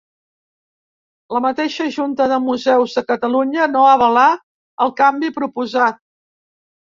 La mateixa Junta de Museus de Catalunya no avalà el canvi proposat.